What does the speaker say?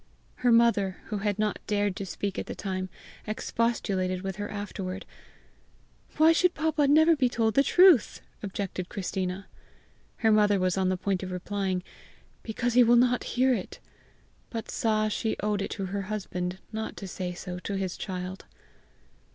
Her mother, who had not dared to speak at the time, expostulated with her afterward. "Why should papa never be told the truth?" objected Christina. Her mother was on the point of replying, "Because he will not hear it," but saw she owed it to her husband not to say so to his child.